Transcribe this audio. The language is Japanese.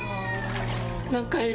何かいる！